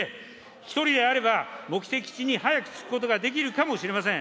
一人であれば目的地に早く着くことができるかもしれません。